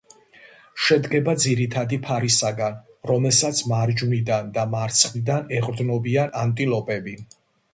შედგება ძირითადი ფარისაგან, რომელსაც მარჯვნიდან და მარცხნიდან ეყრდნობიან ანტილოპები.